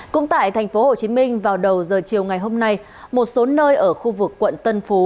cũng tại tp hcm vào đầu giờ chiều ngày hôm nay một số nơi ở khu vực quận tân phú